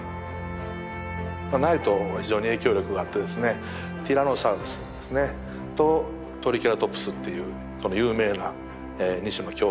ナイト非常に影響力があってですねティラノサウルスですねとトリケラトプスっていうこの有名な２種の恐竜がですね